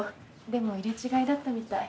でも入れ違いだったみたい。